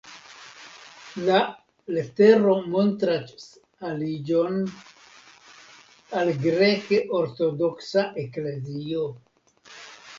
La letero montras aliĝon al Greke Ortodoksa Eklezio.